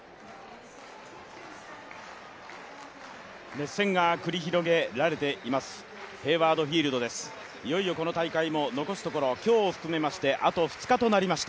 熱戦が繰り広げられています